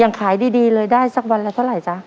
ยังขายดีเลยได้สักวันเราเป็นเท่าไหรคนนะจ๊ะ